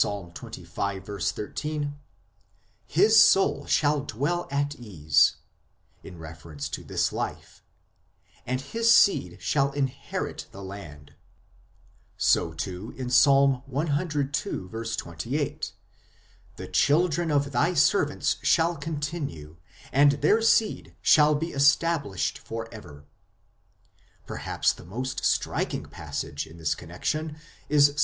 xxv. 13 :" His soul shall dwell at ease [in reference to this life], and his seed shall inherit the land." So, too, in Ps. cii. 28 (29 in Hebr.) :" The children of Thy servants shall continue, and their seed shall be established for ever." Perhaps the most striking passage in this connexion is Ps.